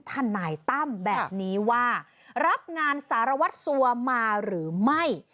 ทนายตั้มแบบนี้ว่ารับงานสารวัตรสัวมาหรือไม่